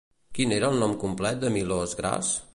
Quin era el nom complet de Milós Gras?